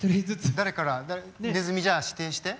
誰からねずみじゃあ指定して。